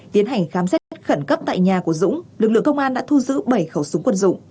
tiến hành khám xét đất khẩn cấp tại nhà của dũng lực lượng công an đã thu giữ bảy khẩu súng quân dụng